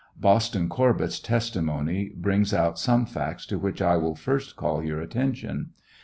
Boston Corbett's testimony brings out some facts to which 1 will first call your attention.